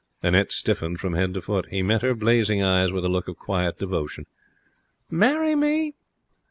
Annette stiffened from head to foot. He met her blazing eyes with a look of quiet devotion. 'Marry me?'